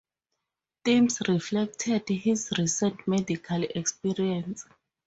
Themes reflected his recent medical experience.